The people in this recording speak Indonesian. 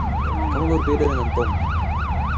Kamu berbeda dengan Tom.